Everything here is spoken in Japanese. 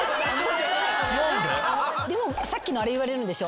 さっきのあれ言われるんでしょ？